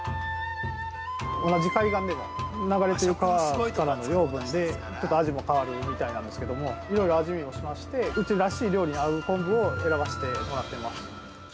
◆同じ海岸でも、流れてる川からの養分でちょっと味も変わるみたいなんですけども、いろいろ味見もしまして、うちらしい料理に合う昆布を選ばしてもらってます。